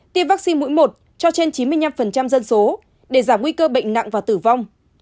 tiêm vaccine mũi một cho trên chín mươi năm dân số để giảm nguy cơ bệnh nặng và tử vong